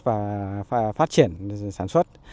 và phát triển sản xuất